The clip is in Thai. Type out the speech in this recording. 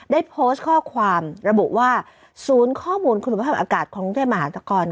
ได้โพสต์ข้อความระบุว่าศูนย์ข้อมูลคุณภาพอากาศของกรุงเทพมหานคร